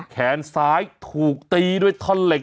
แขนซ้ายถูกตีด้วยท่อนเหล็ก